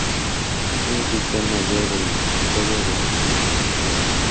Fue oficial mayor del Ministerio de Hacienda.